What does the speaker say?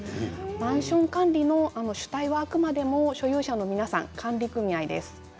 マンション管理の主体はあくまでも所有者の皆さん管理組合です。